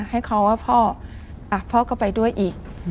ให้เขาว่าพ่อพ่อก็ไปด้วยอีก